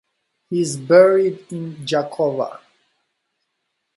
He is buried in Gjakova.